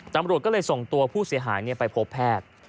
ตำรวจก็เลยส่งตัวผู้เสียหายไปพบแพทย์